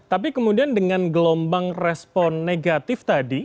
tapi kemudian dengan gelombang respon negatif tadi